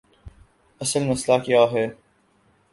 اصل مسئلہ کیا ہے؟